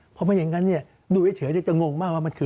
เพราะไม่อย่างนั้นดูเฉยจะงงมากว่ามันคือ